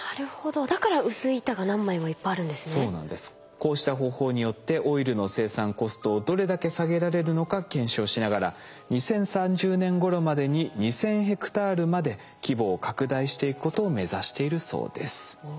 こうした方法によってオイルの生産コストをどれだけ下げられるのか検証しながら２０３０年ごろまでに２，０００ヘクタールまで規模を拡大していくことを目指しているそうです。